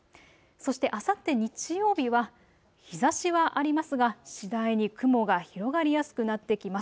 そしてあさって日曜日は日ざしはありますが次第に雲が広がりやすくなってきます。